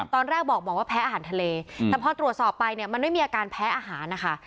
ตอนแรกบอกบอกว่าแพ้อาหารทะเลแต่พอตรวจสอบไปเนี่ยมันไม่มีอาการแพ้อาหารนะคะ